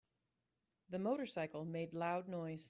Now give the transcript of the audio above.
The motorcycle made loud noise.